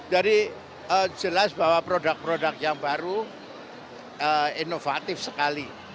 jadi jelas bahwa produk produk yang baru inovatif sekali